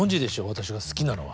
私が好きなのは。